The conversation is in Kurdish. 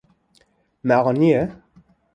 Me aniye.